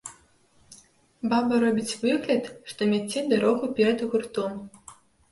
Баба робіць выгляд, што мяце дарогу перад гуртом.